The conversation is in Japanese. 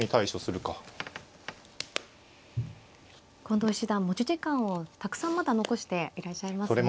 近藤七段持ち時間をたくさんまだ残していらっしゃいますね。